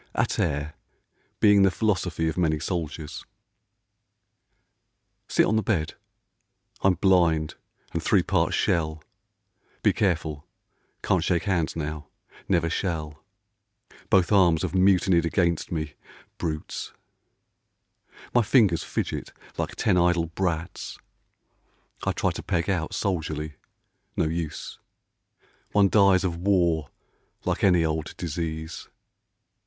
A TERRE. (Being the philosophy of many soldiers). SIT on the bed, I'm blind, and three parts shell, Be careful ; can't shake hands now ; never shall. Both arms have mutinied against me, — brutes. My fingers fidget like ten idle brats. I tried to peg out soldierly, — no use ! One dies of war like any old disease.